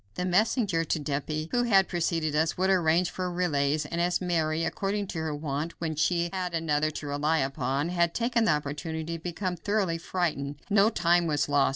The messenger to Dieppe who had preceded us would arrange for relays, and as Mary, according to her wont when she had another to rely upon, had taken the opportunity to become thoroughly frightened, no time was lost.